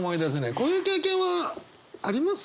こういう経験はあります？